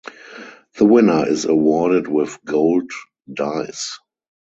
The winner is awarded with gold dice.